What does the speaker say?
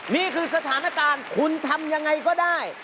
นี่คือสถานการณ์คุณทำยังไงก็ได้